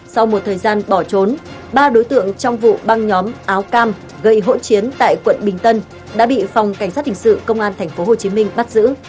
sau một thời gian bỏ trốn ba đối tượng trong vụ băng nhóm áo cam gây hỗn chiến tại quận bình tân đã bị phòng cảnh sát hình sự công an tp hcm bắt giữ